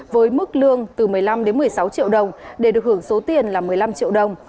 với mức lương từ một mươi năm đến một mươi sáu triệu đồng để được hưởng số tiền là một mươi năm triệu đồng